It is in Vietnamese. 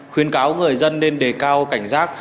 khuyến cáo người dân nên đề cao cảnh giác